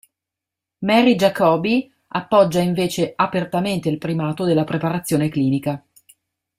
Mary Jacobi appoggia invece apertamente il primato della preparazione clinica.